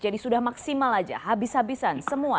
jadi sudah maksimal saja habis habisan semua